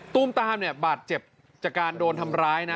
ตามเนี่ยบาดเจ็บจากการโดนทำร้ายนะ